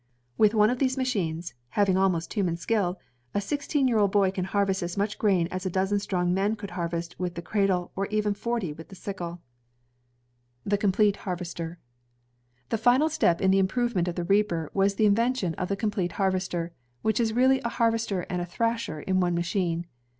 With one of these machines, having almost human skill, a sixteen year old boy can harvest as much grain as a dozen strong men could harvest with the cradle, or even forty with the sickle. cyrus h. mccormick 159 The Complete Harvester The final step in the improvement of the reaper was the invention of the complete harvester, which is really a harvester and thrasher in one machine.